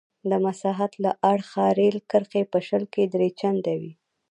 د مساحت له اړخه رېل کرښې په شل کې درې چنده وې.